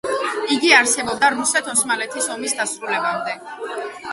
იგი არსებობდა რუსეთ-ოსმალეთის ომის დასრულებამდე.